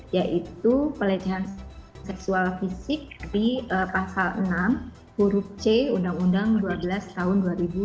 yaitu pelecehan seksual fisik di pasal enam huruf c undang undang dua belas tahun dua ribu dua puluh